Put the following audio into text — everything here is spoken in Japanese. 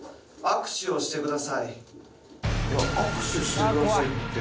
握手してくださいって。